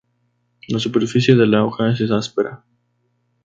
La superficie de la hoja es áspera.